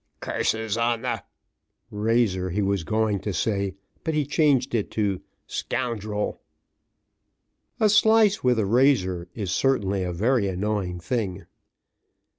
"Curses on the" (razor he was going to say, but he changed it to) "scoundrel!" A slice with a razor is certainly a very annoying thing.